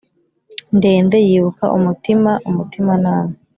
ndende yibuka umutima umutima nama